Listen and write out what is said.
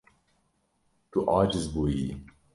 Tu aciz bûyiyî.